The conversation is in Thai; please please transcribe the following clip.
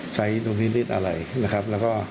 ใช้นุ้นนิ้นอะไรนะครับ